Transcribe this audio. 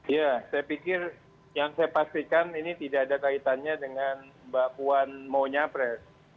ya saya pikir yang saya pastikan ini tidak ada kaitannya dengan bakpuan maunya pres